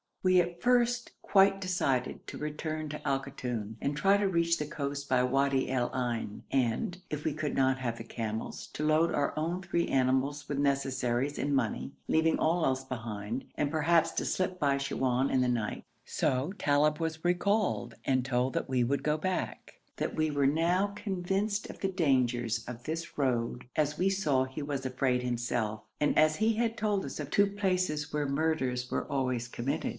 We at first quite decided to return to Al Koton, and try to reach the coast by Wadi al Ain and, if we could not have the camels, to load our own three animals with necessaries and money, leaving all else behind, and perhaps to slip by Siwoun in the night. So Talib was recalled, and told that we would go back; that we were now convinced of the dangers of this road, as we saw he was afraid himself, and as he had told us of two places where murders were always committed.